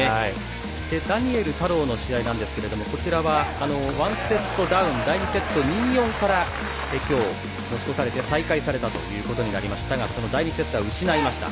ダニエル太郎の試合ですがこちらは、１セットダウン第２セット、２−４から今日、持ち越されて再開されたということになりましたがその第２セットは失いました。